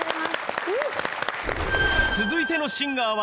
続いてのシンガーは。